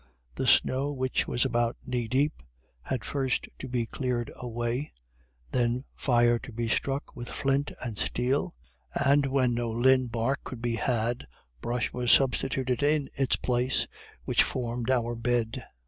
The snow, which was about knee deep, had first to be cleared away, then fire to be struck with flint and steel, and when no lynn bark could be had, brush was substituted in its place, which formed our bed.